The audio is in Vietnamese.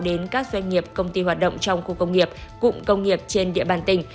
đến các doanh nghiệp công ty hoạt động trong khu công nghiệp cụm công nghiệp trên địa bàn tỉnh